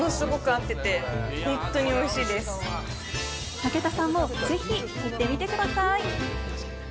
武田さんもぜひ行ってみてください。